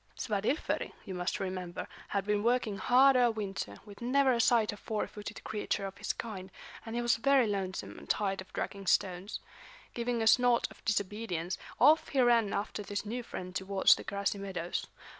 Svadilföri, you must remember, had been working hard all winter, with never a sight of four footed creature of his kind, and he was very lonesome and tired of dragging stones. Giving a snort of disobedience, off he ran after this new friend towards the grassy meadows.